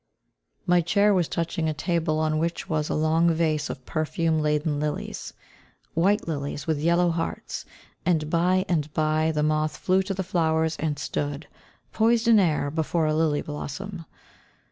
My chair was touching a table on which was a long vase of perfume laden lilies, white lilies with yellow hearts, and by and by the moth flew to the flowers and stood, poised in air, before a lily blossom.